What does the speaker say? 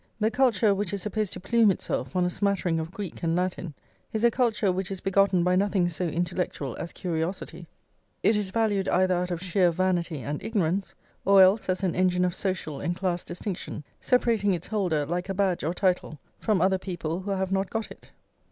The culture which is supposed to plume itself on a smattering of Greek and Latin is a culture which is begotten by nothing so intellectual as curiosity; it is valued either out of sheer vanity and ignorance, or else as an engine of social and class distinction, separating its holder, like a badge or title, from other people who have not got it.